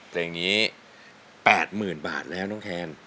เพลงนี้๘๐๐๐บาทแล้วน้องแทน